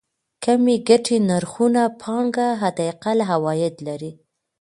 کمې ګټې نرخونو پانګه حداقل عواید لري.